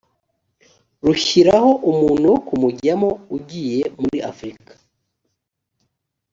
rushyiraho umuntu wo kuwujyamo ugiye muri afurika